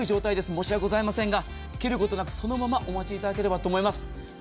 申し訳ございませんが切ることなくそのままお待ちいただければと思います。